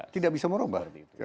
tidak bisa merubah